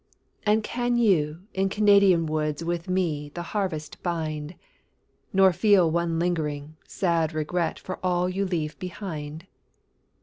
And can you in Canadian woods With me the harvest bind, Nor feel one lingering, sad regret For all you leave behind?